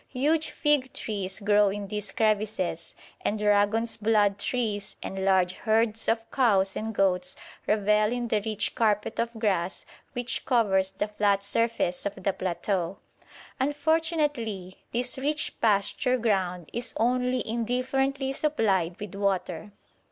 Huge fig trees grow in these crevices, and dragon's blood trees, and large herds of cows and goats revel in the rich carpet of grass which covers the flat surface of the plateau. Unfortunately, this rich pasture ground is only indifferently supplied with water.